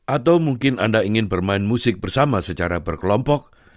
atau mungkin anda ingin bermain musik bersama secara berkelompok